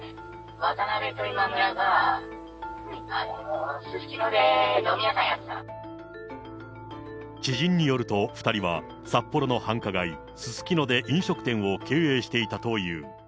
渡辺と今村が、すすきので飲み屋知人によると、２人は、札幌の繁華街、すすきので飲食店を経営していたという。